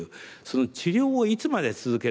その治療をいつまで続けるのか。